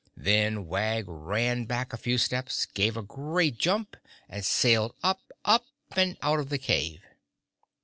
Then Wag ran back a few steps, gave a great jump and sailed up, up and out of the cave.